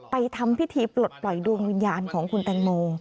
ทำพิธีปลดปล่อยดวงวิญญาณของคุณแตงโม